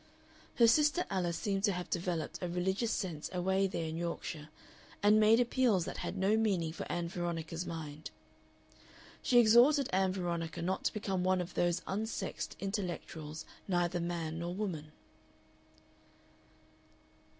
Her sister Alice seemed to have developed a religious sense away there in Yorkshire, and made appeals that had no meaning for Ann Veronica's mind. She exhorted Ann Veronica not to become one of "those unsexed intellectuals, neither man nor woman."